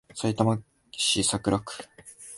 さいたま市桜区